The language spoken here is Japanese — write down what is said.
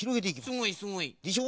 すごいすごい。でしょ。